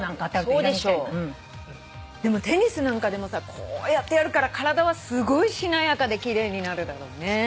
でもテニスなんかでもさこうやってやるから体はすごいしなやかで奇麗になるだろうね。